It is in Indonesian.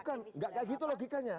bukan tidak tidak gitu logikanya